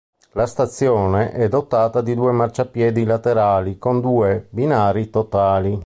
La stazione, è dotata di due marciapiedi laterali, con due binari totali.